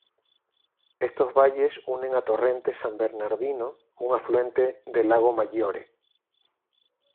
Estos valles unen a Torrente San Bernardino, un afluente de Lago Maggiore.